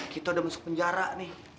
kita udah masuk penjara nih